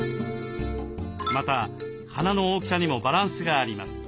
また花の大きさにもバランスがあります。